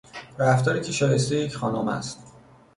رفتاری که شایستهی یک خانم است